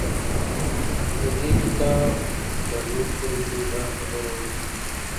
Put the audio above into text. خو د دې کتاب تر نوم پورې مې دا خبره وکړه